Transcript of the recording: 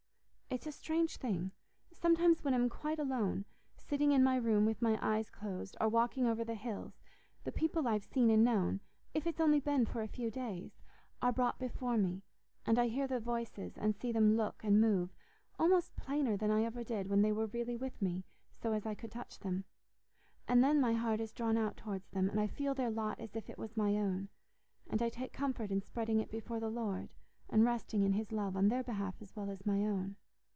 It's a strange thing—sometimes when I'm quite alone, sitting in my room with my eyes closed, or walking over the hills, the people I've seen and known, if it's only been for a few days, are brought before me, and I hear their voices and see them look and move almost plainer than I ever did when they were really with me so as I could touch them. And then my heart is drawn out towards them, and I feel their lot as if it was my own, and I take comfort in spreading it before the Lord and resting in His love, on their behalf as well as my own.